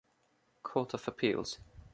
Court of Appeals.